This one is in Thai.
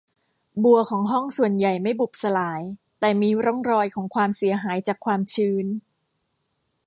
บัวของห้องส่วนใหญ่ไม่บุบสลาย แต่มีร่องรอยของความเสียหายจากความชื้น